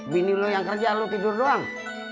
bini lo yang kerja lo tidur doang